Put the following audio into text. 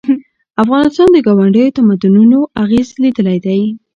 افغانستان د ګاونډیو تمدنونو اغېز لیدلی دی.